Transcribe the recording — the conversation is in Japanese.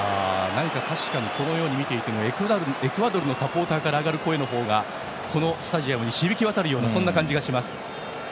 何かこのように見ていてもエクアドルのサポーターから上がる声の方がこのスタジアムに響き渡るような感じがします。